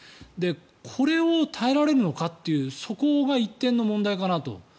これを耐えられるのかっていうそこが１点の問題かなと。